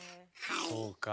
そうか。